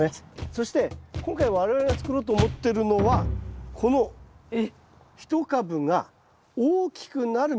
そして今回我々が作ろうと思ってるのはこの一株が大きくなるミズナです。